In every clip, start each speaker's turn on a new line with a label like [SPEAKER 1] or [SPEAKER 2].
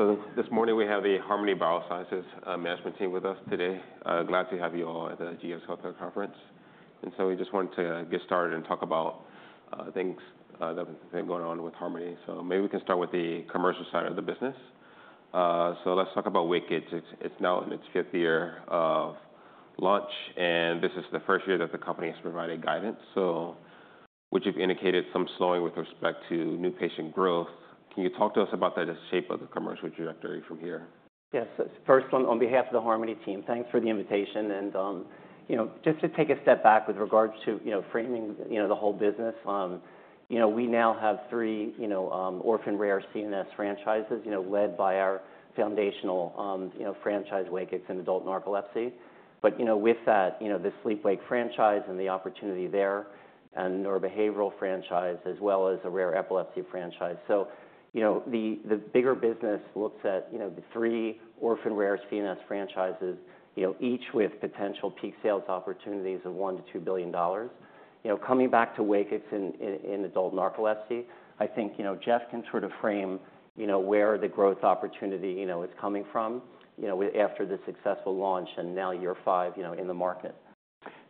[SPEAKER 1] Great. So this morning we have the Harmony Biosciences management team with us today. Glad to have you all at the GS Healthcare Conference. So we just wanted to get started and talk about things that have been going on with Harmony. So maybe we can start with the commercial side of the business. So let's talk about WAKIX. It's now in its fifth year of launch, and this is the first year that the company has provided guidance, which has indicated some slowing with respect to new patient growth. Can you talk to us about that, the shape of the commercial trajectory from here?
[SPEAKER 2] Yes. First, on behalf of the Harmony Team, thanks for the invitation. And just to take a step back with regards to framing the whole business, we now have three orphan rare CNS franchises led by our foundational franchise WAKIX in adult narcolepsy. But with that, the sleep-wake franchise and the opportunity there, and our behavioral franchise, as well as a rare epilepsy franchise. So the bigger business looks at the three orphan rare CNS franchises, each with potential peak sales opportunities of $1 billion-$2 billion. Coming back to WAKIX in adult narcolepsy, I think Jeff can sort of frame where the growth opportunity is coming from after the successful launch and now year five in the market.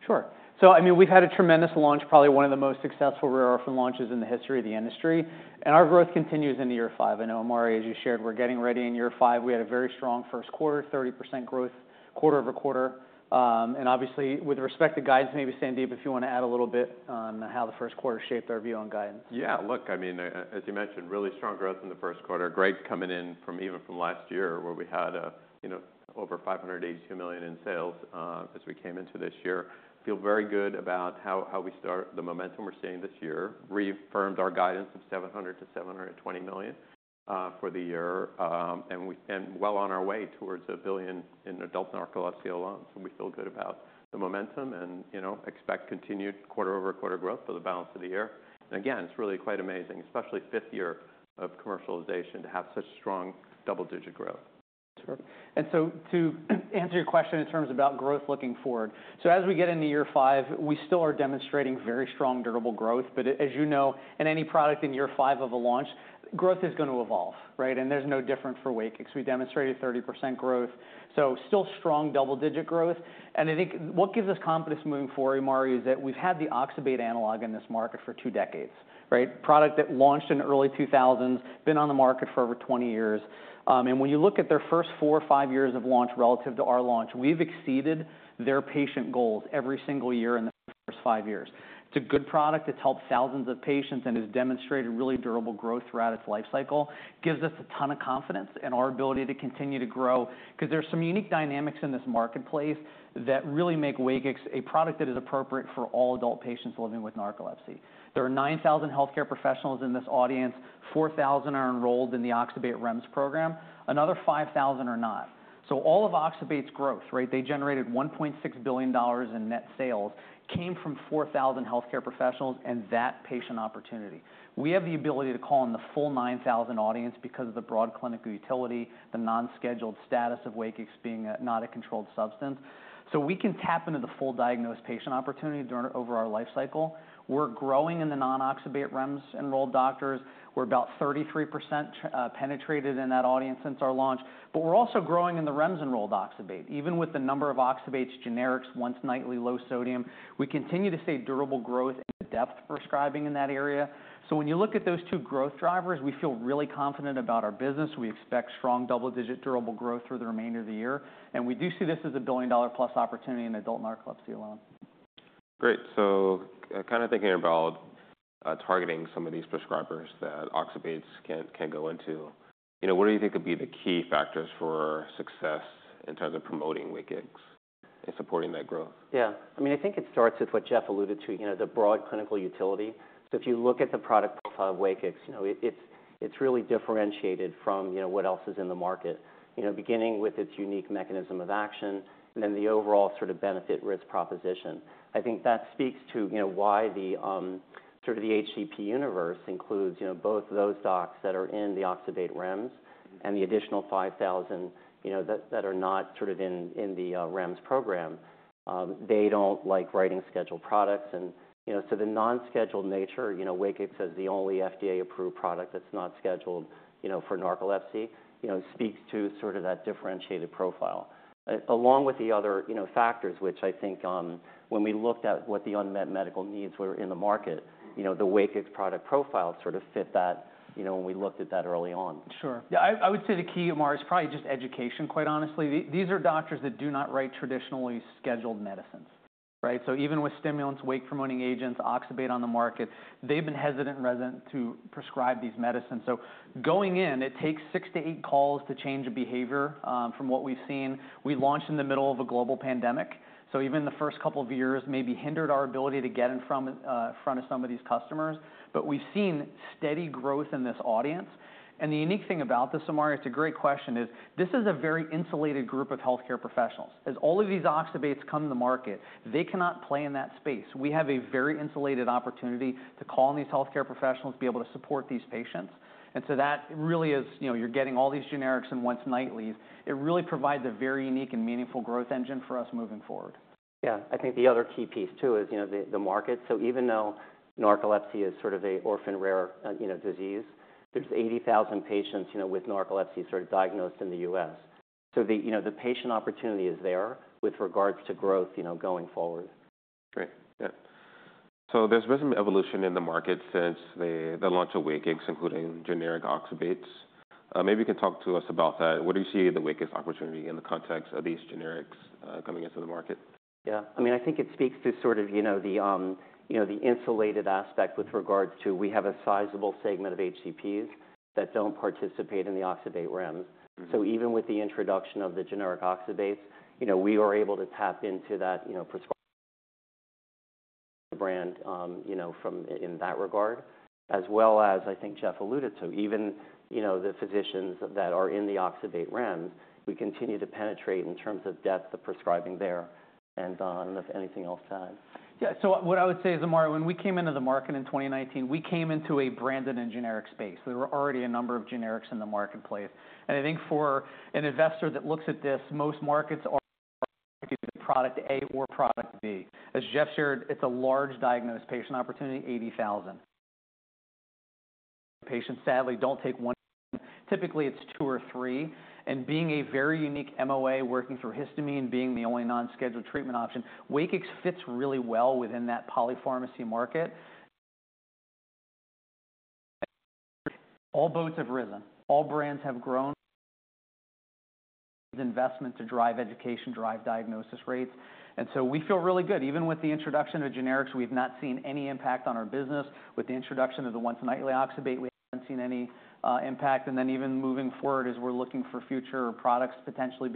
[SPEAKER 3] Sure. So I mean, we've had a tremendous launch, probably one of the most successful rare orphan launches in the history of the industry. And our growth continues into year five. I know, [Mauri], as you shared, we're getting ready in year five. We had a very strong first quarter, 30% growth, quarter-over-quarter. And obviously, with respect to guidance, maybe Sandip, if you want to add a little bit on how the first quarter shaped our view on guidance.
[SPEAKER 2] Yeah. Look, I mean, as you mentioned, really strong growth in the first quarter. Grades coming in from even from last year, where we had over $582 million in sales as we came into this year. Feel very good about how we start the momentum we're seeing this year. Reaffirmed our guidance of $700 million-$720 million for the year. And well on our way towards $1 billion in adult narcolepsy alone. So we feel good about the momentum and expect continued quarter-over-quarter growth for the balance of the year. And again, it's really quite amazing, especially fifth year of commercialization, to have such strong double-digit growth.
[SPEAKER 3] Sure. And so to answer your question in terms about growth looking forward, so as we get into year five, we still are demonstrating very strong durable growth. But as you know, in any product in year five of a launch, growth is going to evolve, right? And there's no different for WAKIX. We demonstrated 30% growth. So still strong double-digit growth. And I think what gives us confidence moving forward, Mauri, is that we've had the oxybate analog in this market for two decades, right? Product that launched in the early 2000s, been on the market for over 20 years. And when you look at their first four or five years of launch relative to our launch, we've exceeded their patient goals every single year in the first five years. It's a good product. It's helped thousands of patients and has demonstrated really durable growth throughout its lifecycle. Gives us a ton of confidence in our ability to continue to grow because there are some unique dynamics in this marketplace that really make WAKIX a product that is appropriate for all adult patients living with narcolepsy. There are 9,000 healthcare professionals in this audience. 4,000 are enrolled in the oxybate REMS program. Another 5,000 are not. So all of oxybate's growth, right? They generated $1.6 billion in net sales, came from 4,000 healthcare professionals and that patient opportunity. We have the ability to call in the full 9,000 audience because of the broad clinical utility, the non-scheduled status of WAKIX being not a controlled substance. So we can tap into the full diagnosed patient opportunity over our lifecycle. We're growing in the non-oxybate REMS-enrolled doctors. We're about 33% penetrated in that audience since our launch. We're also growing in the REMS-enrolled oxybate, even with the number of oxybate's generics, once nightly low sodium. We continue to see durable growth and in-depth prescribing in that area. So when you look at those two growth drivers, we feel really confident about our business. We expect strong double-digit durable growth through the remainder of the year. We do see this as a billion-dollar-plus opportunity in adult narcolepsy alone.
[SPEAKER 1] Great. So kind of thinking about targeting some of these prescribers that oxybates can go into, what do you think would be the key factors for success in terms of promoting WAKIX and supporting that growth?
[SPEAKER 2] Yeah. I mean, I think it starts with what Jeff alluded to, the broad clinical utility. So if you look at the product profile of WAKIX, it's really differentiated from what else is in the market, beginning with its unique mechanism of action and then the overall sort of benefit risk proposition. I think that speaks to why sort of the HCP universe includes both those docs that are in the oxybate REMS and the additional 5,000 that are not sort of in the REMS program. They don't like writing scheduled products. And so the non-scheduled nature, WAKIX says the only FDA-approved product that's not scheduled for narcolepsy, speaks to sort of that differentiated profile. Along with the other factors, which I think when we looked at what the unmet medical needs were in the market, the WAKIX product profile sort of fit that when we looked at that early on.
[SPEAKER 3] Sure. Yeah. I would say the key, Mauri, is probably just education, quite honestly. These are doctors that do not write traditionally scheduled medicines, right? So even with stimulants, wake-promoting agents, oxybate on the market, they've been hesitant and resistant to prescribe these medicines. So going in, it takes six to eight calls to change a behavior from what we've seen. We launched in the middle of a global pandemic. So even the first couple of years maybe hindered our ability to get in front of some of these customers. But we've seen steady growth in this audience. And the unique thing about this, Mauri, it's a great question, is this is a very insulated group of healthcare professionals. As all of these oxybates come to the market, they cannot play in that space. We have a very insulated opportunity to call in these healthcare professionals, be able to support these patients. And so that really is you're getting all these generics and once nightly. It really provides a very unique and meaningful growth engine for us moving forward.
[SPEAKER 2] Yeah. I think the other key piece too is the market. So even though narcolepsy is sort of an orphan rare disease, there's 80,000 patients with narcolepsy sort of diagnosed in the U.S. So the patient opportunity is there with regards to growth going forward.
[SPEAKER 1] Great. Yeah. So there's been some evolution in the market since the launch of WAKIX, including generic oxybates. Maybe you can talk to us about that. What do you see the WAKIX opportunity in the context of these generics coming into the market?
[SPEAKER 2] Yeah. I mean, I think it speaks to sort of the insulated aspect with regards to, we have a sizable segment of HCPs that don't participate in the oxybate REMS. So even with the introduction of the generic oxybates, we were able to tap into that brand in that regard, as well as I think Jeff alluded to, even the physicians that are in the oxybate REMS, we continue to penetrate in terms of depth of prescribing there. And I don't know if anything else to add.
[SPEAKER 3] Yeah. So what I would say is, Mauri, when we came into the market in 2019, we came into a branded and generic space. There were already a number of generics in the marketplace. And I think for an investor that looks at this, most markets are product A or product B. As [Jeff] shared, it's a large diagnosed patient opportunity, 80,000 patients. Sadly, they don't take one. Typically, it's two or three. And being a very unique MOA, working through histamine, being the only non-scheduled treatment option, WAKIX fits really well within that polypharmacy market. All boats have risen. All brands have grown. Investment to drive education, drive diagnosis rates. And so we feel really good. Even with the introduction of generics, we've not seen any impact on our business. With the introduction of the once nightly oxybate, we haven't seen any impact. Then even moving forward as we're looking for future products potentially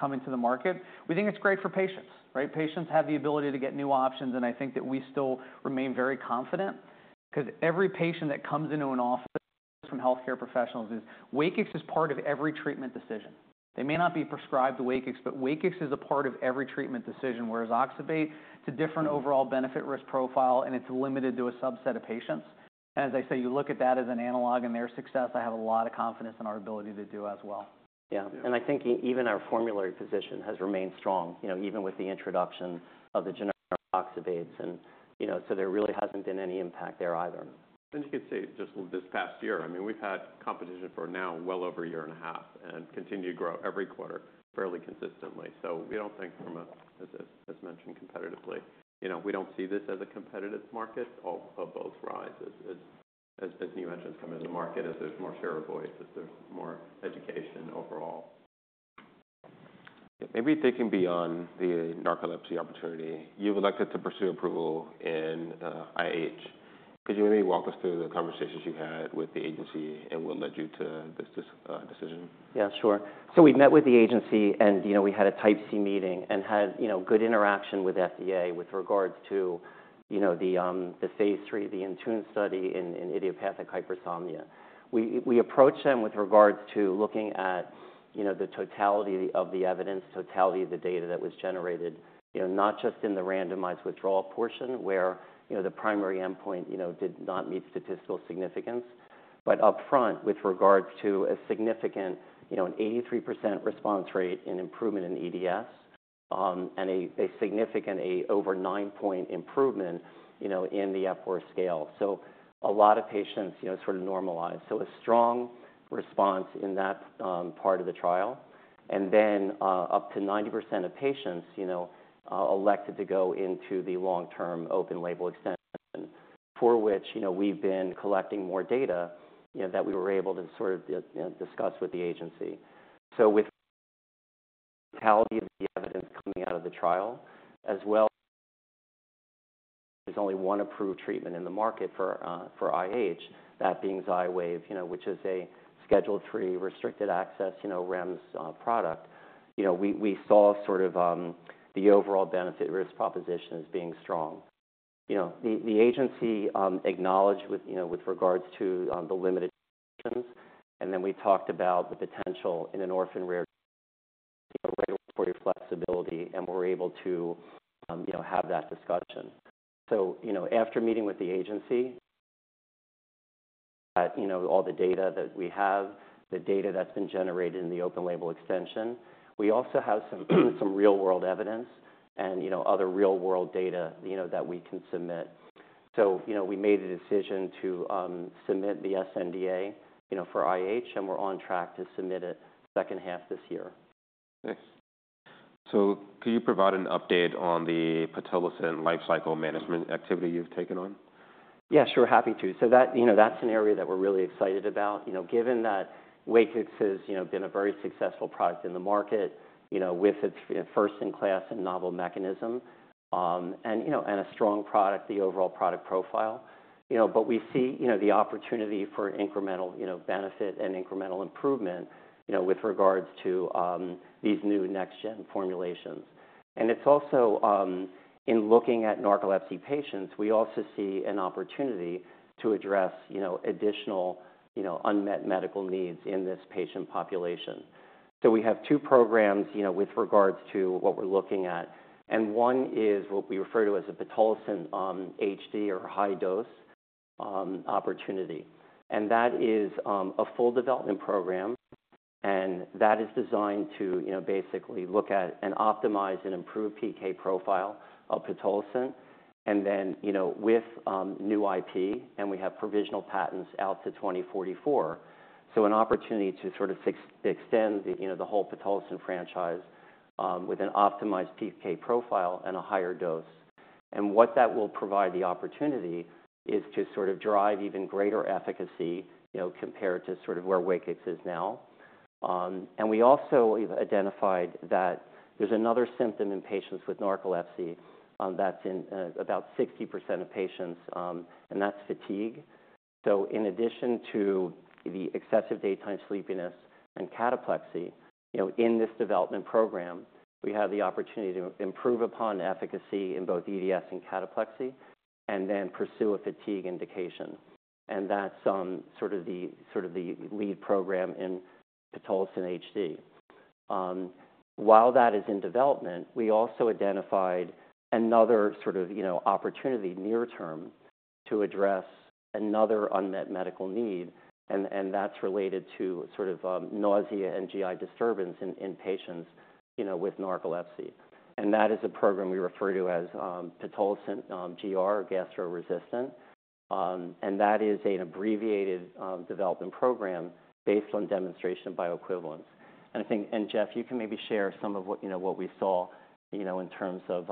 [SPEAKER 3] coming to the market, we think it's great for patients, right? Patients have the ability to get new options. I think that we still remain very confident because every patient that comes into an office from healthcare professionals is WAKIX is part of every treatment decision. They may not be prescribed the WAKIX, but WAKIX is a part of every treatment decision, whereas oxybate, it's a different overall benefit risk profile, and it's limited to a subset of patients. As I say, you look at that as an analog in their success, I have a lot of confidence in our ability to do as well.
[SPEAKER 2] Yeah. And I think even our formulary position has remained strong, even with the introduction of the generic oxybates. And so there really hasn't been any impact there either.
[SPEAKER 1] You could say just this past year, I mean, we've had competition for now well over a year and a half and continue to grow every quarter fairly consistently. We don't think from a, as mentioned, competitively, we don't see this as a competitive market. All of those rises as new entrants come into the market, as there's more share of voice, as there's more education overall. Maybe thinking beyond the narcolepsy opportunity, you've elected to pursue approval in IH. Could you maybe walk us through the conversations you had with the agency and what led you to this decision?
[SPEAKER 2] Yeah, sure. So we met with the agency, and we had a Type C meeting and had good interaction with FDA with regards to the phase III, the INTUNE study in idiopathic hypersomnia. We approached them with regards to looking at the totality of the evidence, totality of the data that was generated, not just in the randomized withdrawal portion where the primary endpoint did not meet statistical significance, but upfront with regards to a significant 83% response rate and improvement in EDS and a significant over 9-point improvement in the Epworth Scale. So a lot of patients sort of normalized. So a strong response in that part of the trial. And then up to 90% of patients elected to go into the long-term open-label extension, for which we've been collecting more data that we were able to sort of discuss with the agency. So with totality of the evidence coming out of the trial, as well as there's only one approved treatment in the market for IH, that being XYWAV, which is a scheduled-free restricted access REMS product, we saw sort of the overall benefit risk proposition as being strong. The agency acknowledged with regards to the limited options. And then we talked about the potential in an orphan rare regulatory flexibility, and we're able to have that discussion. So after meeting with the agency, all the data that we have, the data that's been generated in the open-label extension, we also have some real-world evidence and other real-world data that we can submit. So we made a decision to submit the sNDA for IH, and we're on track to submit it second half this year.
[SPEAKER 1] Nice. So can you provide an update on the pitolisant lifecycle management activity you've taken on?
[SPEAKER 2] Yeah, sure. Happy to. So that's an area that we're really excited about, given that WAKIX has been a very successful product in the market with its first-in-class and novel mechanism and a strong product, the overall product profile. But we see the opportunity for incremental benefit and incremental improvement with regards to these new next-gen formulations. And it's also in looking at narcolepsy patients, we also see an opportunity to address additional unmet medical needs in this patient population. So we have two programs with regards to what we're looking at. And one is what we refer to as a pitolisant HD or high-dose opportunity. And that is a full development program. And that is designed to basically look at and optimize and improve PK profile of pitolisant and then with new IP, and we have provisional patents out to 2044. So an opportunity to sort of extend the whole pitolisant franchise with an optimized PK profile and a higher dose. And what that will provide the opportunity is to sort of drive even greater efficacy compared to sort of where WAKIX is now. And we also identified that there's another symptom in patients with narcolepsy that's in about 60% of patients, and that's fatigue. So in addition to the excessive daytime sleepiness and cataplexy, in this development program, we have the opportunity to improve upon efficacy in both EDS and cataplexy and then pursue a fatigue indication. And that's sort of the lead program in pitolisant HD. While that is in development, we also identified another sort of opportunity near-term to address another unmet medical need, and that's related to sort of nausea and GI disturbance in patients with narcolepsy. That is a program we refer to as pitolisant GR or gastro-resistant. That is an abbreviated development program based on demonstration bioequivalence. I think, and Jeff, you can maybe share some of what we saw in terms of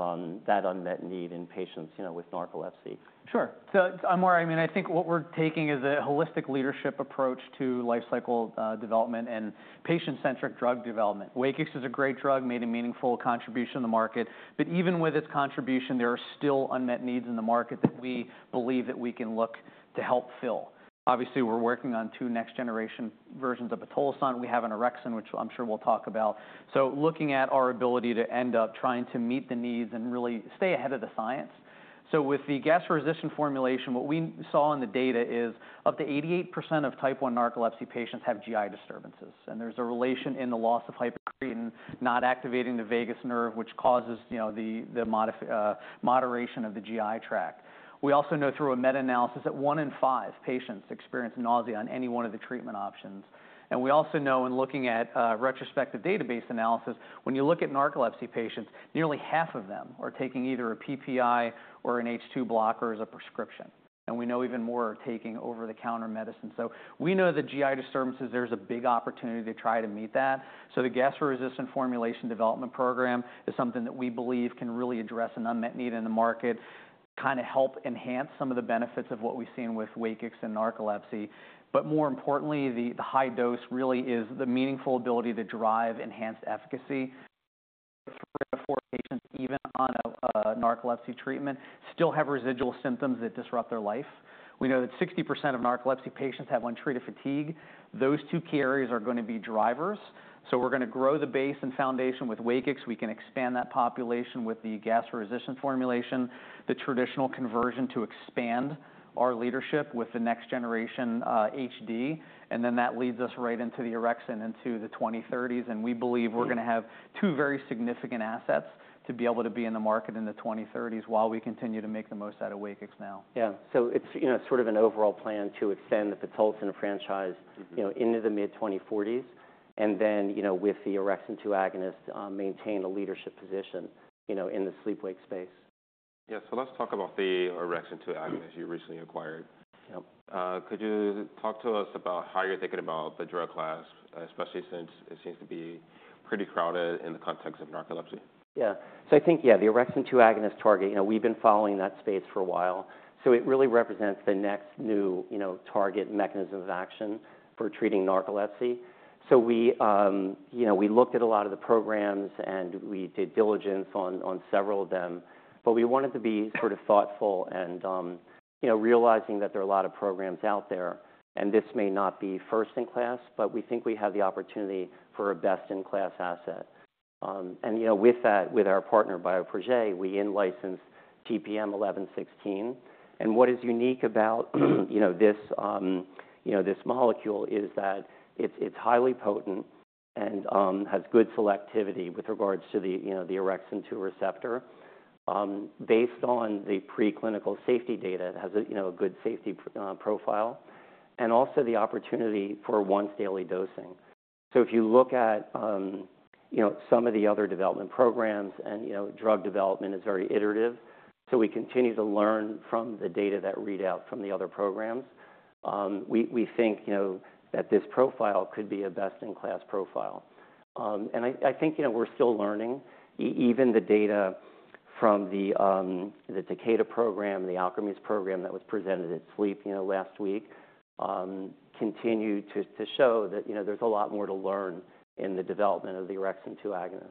[SPEAKER 2] that unmet need in patients with narcolepsy.
[SPEAKER 3] Sure. So Mauri. I mean, I think what we're taking is a holistic leadership approach to lifecycle development and patient-centric drug development. WAKIX is a great drug, made a meaningful contribution to the market. But even with its contribution, there are still unmet needs in the market that we believe that we can look to help fill. Obviously, we're working on two next-generation versions of pitolisant. We have an orexin, which I'm sure we'll talk about. So looking at our ability to end up trying to meet the needs and really stay ahead of the science. So with the gastro-resistant formulation, what we saw in the data is up to 88% of Type 1 narcolepsy patients have GI disturbances. And there's a relation in the loss of hypocretin not activating the vagus nerve, which causes the motility of the GI tract. We also know through a meta-analysis that one in five patients experience nausea on any one of the treatment options. We also know in looking at retrospective database analysis, when you look at narcolepsy patients, nearly half of them are taking either a PPI or an H2 blocker as a prescription. We know even more are taking over-the-counter medicine. We know the GI disturbances; there's a big opportunity to try to meet that. So the gastro-resistant formulation development program is something that we believe can really address an unmet need in the market, kind of help enhance some of the benefits of what we've seen with WAKIX and narcolepsy. But more importantly, the high dose really is the meaningful ability to drive enhanced efficacy. For patients, even on a narcolepsy treatment, still have residual symptoms that disrupt their life. We know that 60% of narcolepsy patients have untreated fatigue. Those two key areas are going to be drivers. So we're going to grow the base and foundation with WAKIX. We can expand that population with the gastro-resistant formulation, the traditional conversion to expand our leadership with the next generation HD. And then that leads us right into the orexin into the 2030s. And we believe we're going to have two very significant assets to be able to be in the market in the 2030s while we continue to make the most out of WAKIX now.
[SPEAKER 2] Yeah. So it's sort of an overall plan to extend the pitolisant franchise into the mid-2040s and then with the orexin-2 agonist maintain a leadership position in the sleep-wake space.
[SPEAKER 1] Yeah. So let's talk about the orexin-2 agonist you recently acquired. Could you talk to us about how you're thinking about the drug class, especially since it seems to be pretty crowded in the context of narcolepsy?
[SPEAKER 2] Yeah. So I think, yeah, the orexin-2 agonist target, we've been following that space for a while. So it really represents the next new target mechanism of action for treating narcolepsy. So we looked at a lot of the programs and we did diligence on several of them, but we wanted to be sort of thoughtful and realizing that there are a lot of programs out there and this may not be first in class, but we think we have the opportunity for a best-in-class asset. And with that, with our partner Bioprojet, we in-license TPM-1116. And what is unique about this molecule is that it's highly potent and has good selectivity with regards to the orexin-2 receptor based on the preclinical safety data. It has a good safety profile and also the opportunity for once-daily dosing. So if you look at some of the other development programs and drug development is very iterative. So we continue to learn from the data that read out from the other programs. We think that this profile could be a best-in-class profile. And I think we're still learning. Even the data from the Takeda program, the Alkermes program that was presented at SLEEP last week continue to show that there's a lot more to learn in the development of the orexin-2 agonist.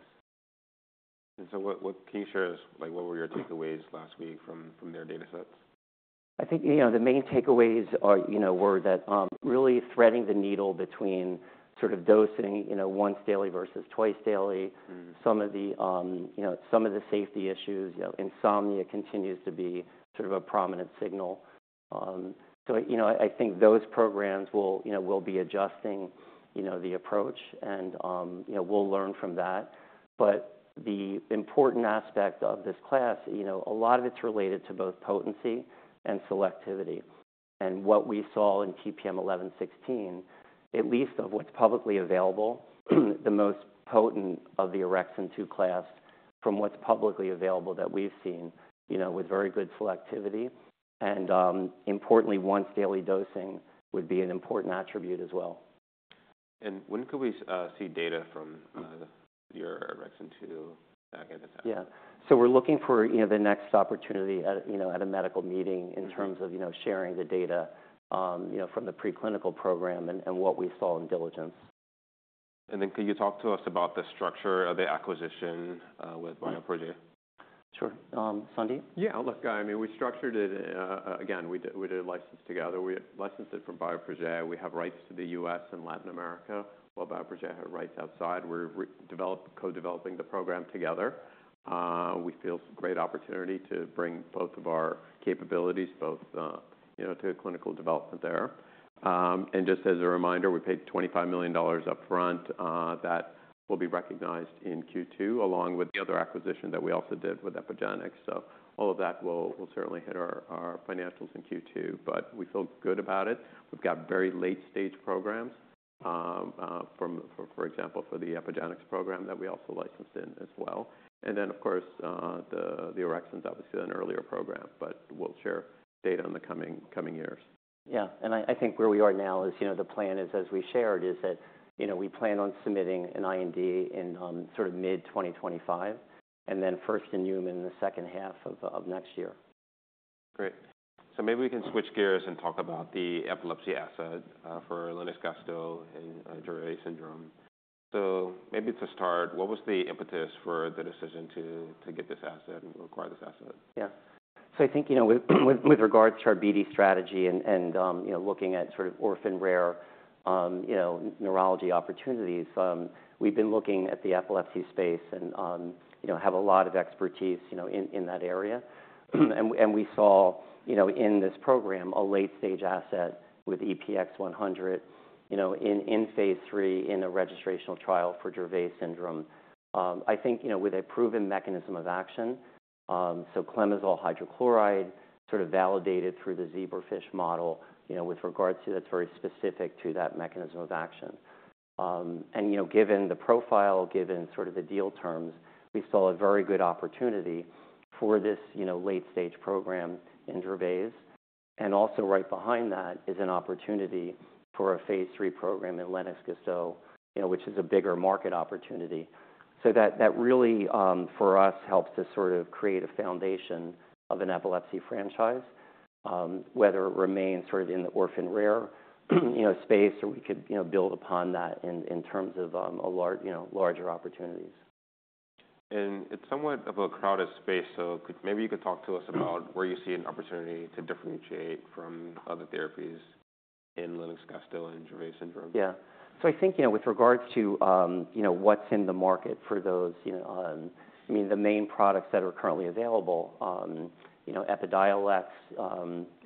[SPEAKER 1] And so, what can you share is what were your takeaways last week from their data sets?
[SPEAKER 2] I think the main takeaways were that really threading the needle between sort of dosing once daily versus twice daily, some of the safety issues, insomnia continues to be sort of a prominent signal. So I think those programs will be adjusting the approach and we'll learn from that. But the important aspect of this class, a lot of it's related to both potency and selectivity. And what we saw in TPM-1116, at least of what's publicly available, the most potent of the orexin-2 class from what's publicly available that we've seen with very good selectivity. And importantly, once-daily dosing would be an important attribute as well.
[SPEAKER 1] When could we see data from your orexin-2 agonist?
[SPEAKER 2] Yeah. So we're looking for the next opportunity at a medical meeting in terms of sharing the data from the preclinical program and what we saw in diligence.
[SPEAKER 1] Could you talk to us about the structure of the acquisition with Bioprojet?
[SPEAKER 3] Sure. Sandip?
[SPEAKER 2] Yeah. Look, I mean, we structured it again, we did a license together. We licensed it from Bioprojet. We have rights to the U.S. and Latin America. While Bioprojet had rights outside, we're co-developing the program together. We feel it's a great opportunity to bring both of our capabilities both to clinical development there. And just as a reminder, we paid $25 million upfront that will be recognized in Q2 along with the other acquisition that we also did with Epygenix. So all of that will certainly hit our financials in Q2, but we feel good about it. We've got very late-stage programs for example, for the Epygenix program that we also licensed in as well. And then, of course, the orexins, obviously an earlier program, but we'll share data in the coming years.
[SPEAKER 3] Yeah. I think where we are now is the plan is, as we shared, is that we plan on submitting an IND in sort of mid-2025 and then first in human in the second half of next year.
[SPEAKER 1] Great. So maybe we can switch gears and talk about the epilepsy asset for Lennox-Gastaut and Dravet syndrome. So maybe to start, what was the impetus for the decision to get this asset and acquire this asset?
[SPEAKER 2] Yeah. So I think with regards to our BD strategy and looking at sort of orphan rare neurology opportunities, we've been looking at the epilepsy space and have a lot of expertise in that area. And we saw in this program a late-stage asset with EPX-100 in phase III in a registrational trial for Dravet syndrome. I think with a proven mechanism of action, so clemizole hydrochloride sort of validated through the zebrafish model with regards to that's very specific to that mechanism of action. And given the profile, given sort of the deal terms, we saw a very good opportunity for this late-stage program in Dravet. And also right behind that is an opportunity for a phase III program in Lennox-Gastaut, which is a bigger market opportunity. So that really for us helps to sort of create a foundation of an epilepsy franchise, whether it remains sort of in the orphan rare space or we could build upon that in terms of larger opportunities.
[SPEAKER 1] It's somewhat of a crowded space. So maybe you could talk to us about where you see an opportunity to differentiate from other therapies in Lennox-Gastaut and Dravet syndrome.
[SPEAKER 2] Yeah. So I think with regards to what's in the market for those, I mean, the main products that are currently available, EPIDIOLEX,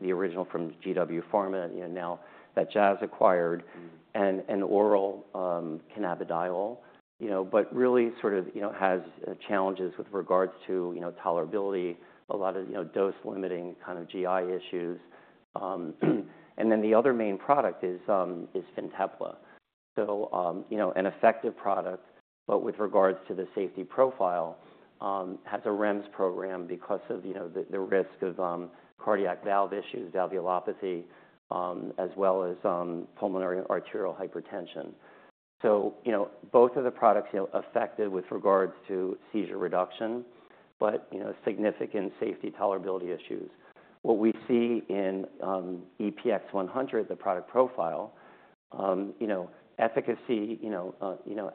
[SPEAKER 2] the original from GW Pharma, now that Jazz acquired, and oral cannabidiol, but really sort of has challenges with regards to tolerability, a lot of dose limiting kind of GI issues. And then the other main product is FINTEPLA, so an effective product, but with regards to the safety profile, has a REMS program because of the risk of cardiac valve issues, valvulopathy, as well as pulmonary arterial hypertension. So both of the products are effective with regards to seizure reduction, but significant safety tolerability issues. What we see in EPX-100, the product profile, efficacy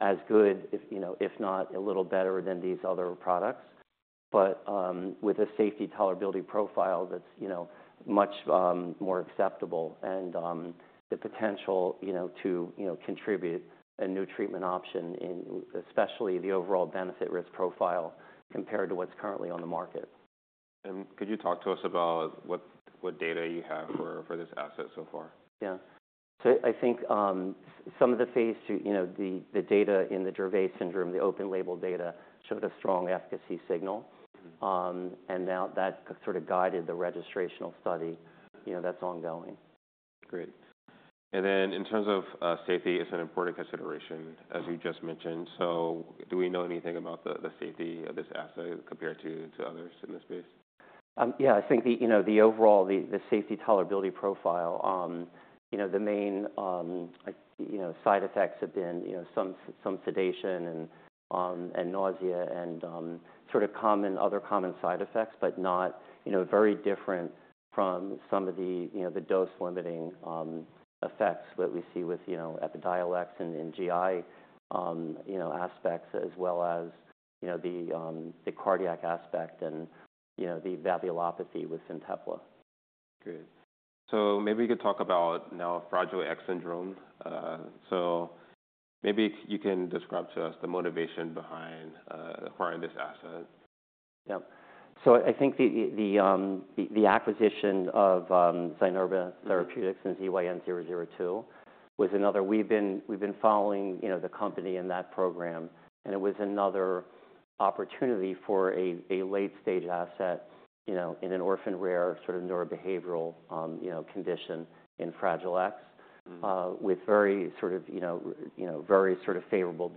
[SPEAKER 2] as good, if not a little better than these other products, but with a safety tolerability profile that's much more acceptable and the potential to contribute a new treatment option, especially the overall benefit risk profile compared to what's currently on the market.
[SPEAKER 1] Could you talk to us about what data you have for this asset so far?
[SPEAKER 2] Yeah. So I think some of the phase II, the data in the Dravet syndrome, the open-label data showed a strong efficacy signal. And now that sort of guided the registrational study that's ongoing.
[SPEAKER 1] Great. And then in terms of safety, it's an important consideration, as you just mentioned. So do we know anything about the safety of this asset compared to others in this space?
[SPEAKER 2] Yeah. I think the overall, the safety tolerability profile, the main side effects have been some sedation and nausea and sort of other common side effects, but not very different from some of the dose limiting effects that we see with EPIDIOLEX and GI aspects, as well as the cardiac aspect and the valvulopathy with FINTEPLA.
[SPEAKER 1] Great. So maybe you could talk about now Fragile X syndrome. So maybe you can describe to us the motivation behind acquiring this asset?
[SPEAKER 2] Yeah. So I think the acquisition of Zynerba Pharmaceuticals and ZYN002 was another. We've been following the company and that program. And it was another opportunity for a late-stage asset in an orphan rare sort of neurobehavioral condition in Fragile X with very sort of favorable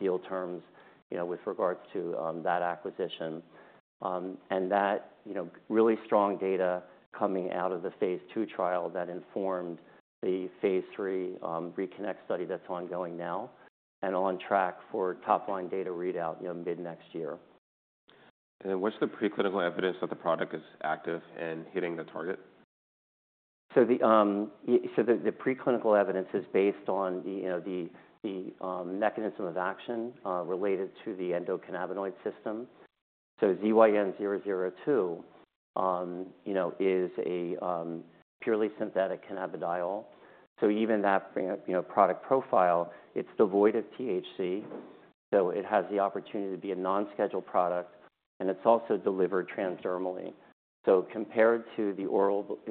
[SPEAKER 2] deal terms with regards to that acquisition. And that really strong data coming out of the phase II trial that informed the phase III RECONNECT study that's ongoing now and on track for top-line data readout mid-next year.
[SPEAKER 1] What's the preclinical evidence that the product is active and hitting the target?
[SPEAKER 2] So the preclinical evidence is based on the mechanism of action related to the endocannabinoid system. So ZYN002 is a purely synthetic cannabidiol. So even that product profile, it's devoid of THC. So it has the opportunity to be a non-scheduled product. And it's also delivered transdermally. So compared to the oral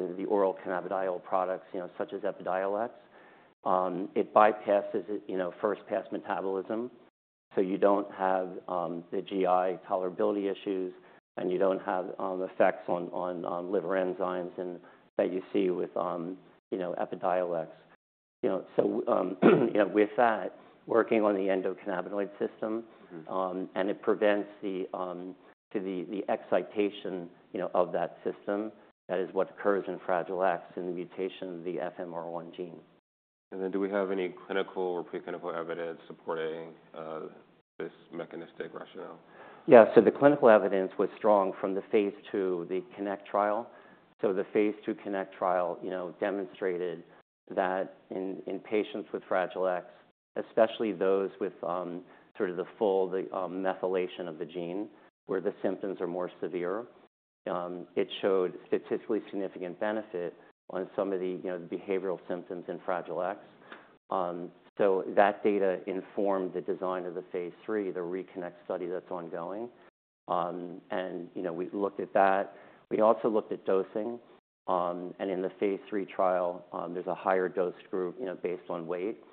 [SPEAKER 2] cannabidiol products such as EPIDIOLEX, it bypasses first-pass metabolism. So you don't have the GI tolerability issues and you don't have effects on liver enzymes that you see with EPIDIOLEX. So with that, working on the endocannabinoid system, and it prevents the excitation of that system. That is what occurs in Fragile X in the mutation of the FMR1 gene.
[SPEAKER 1] Do we have any clinical or preclinical evidence supporting this mechanistic rationale?
[SPEAKER 2] Yeah. So the clinical evidence was strong from the phase II, the CONNECT trial. So the phase II CONNECT trial demonstrated that in patients with Fragile X, especially those with sort of the full methylation of the gene where the symptoms are more severe, it showed statistically significant benefit on some of the behavioral symptoms in Fragile X. So that data informed the design of the phase III, the RECONNECT study that's ongoing. And we looked at that. We also looked at dosing. And in the phase III trial, there's a higher dose group based on weight.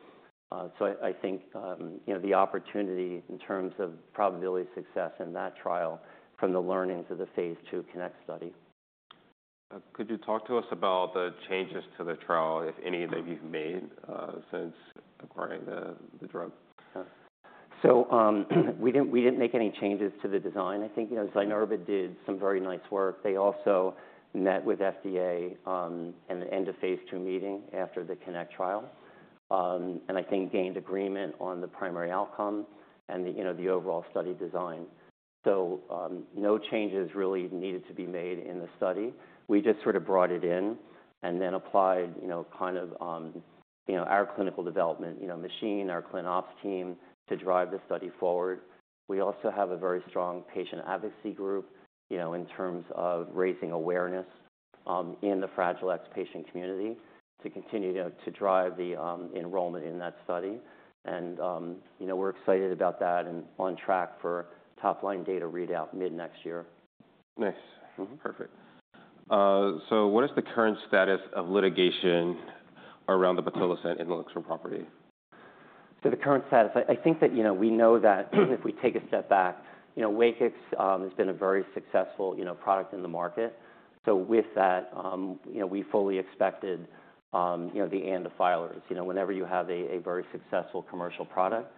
[SPEAKER 2] So I think the opportunity in terms of probability success in that trial from the learnings of the phase II CONNECT study.
[SPEAKER 1] Could you talk to us about the changes to the trial, if any, that you've made since acquiring the drug?
[SPEAKER 2] So we didn't make any changes to the design. I think Zynerba did some very nice work. They also met with FDA and the end-of-phase II meeting after the CONNECT trial. And I think gained agreement on the primary outcome and the overall study design. So no changes really needed to be made in the study. We just sort of brought it in and then applied kind of our clinical development machine, our ClinOps team to drive the study forward. We also have a very strong patient advocacy group in terms of raising awareness in the Fragile X patient community to continue to drive the enrollment in that study. And we're excited about that and on track for top-line data readout mid-next year.
[SPEAKER 1] Nice. Perfect. So what is the current status of litigation around pitolisant in the intellectual property?
[SPEAKER 2] The current status, I think that we know that if we take a step back, WAKIX has been a very successful product in the market. With that, we fully expected the ANDA filers. Whenever you have a very successful commercial product,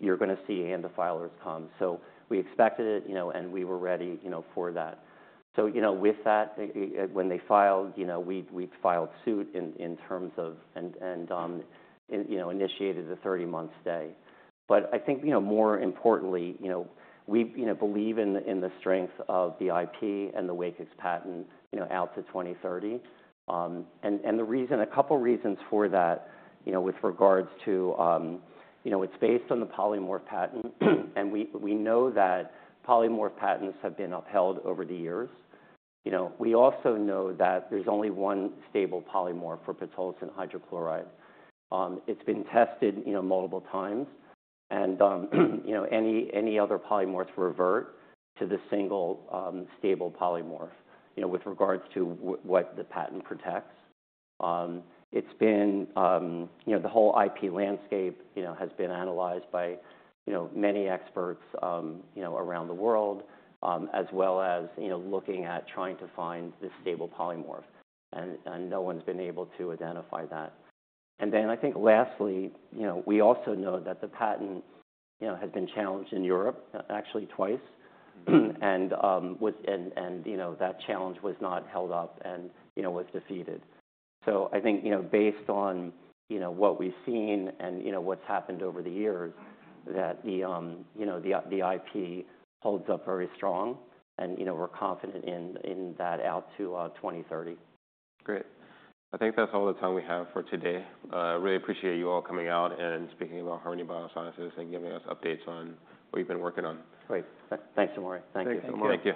[SPEAKER 2] you're going to see ANDA filers come. So we expected it and we were ready for that. With that, when they filed, we filed suit in terms of and initiated the 30-month stay. But I think more importantly, we believe in the strength of the IP and the WAKIX patent out to 2030. And a couple of reasons for that with regards to it's based on the polymorph patent. And we know that polymorph patents have been upheld over the years. We also know that there's only one stable polymorph for pitolisant hydrochloride. It's been tested multiple times. Any other polymorphs revert to the single stable polymorph with regards to what the patent protects. It's been the whole IP landscape has been analyzed by many experts around the world, as well as looking at trying to find the stable polymorph. And no one's been able to identify that. And then I think lastly, we also know that the patent has been challenged in Europe, actually twice. And that challenge was not held up and was defeated. So I think based on what we've seen and what's happened over the years, that the IP holds up very strong. And we're confident in that out to 2030.
[SPEAKER 1] Great. I think that's all the time we have for today. I really appreciate you all coming out and speaking about Harmony Biosciences and giving us updates on what you've been working on.
[SPEAKER 2] Great. Thanks, Mauri. Thank you so much.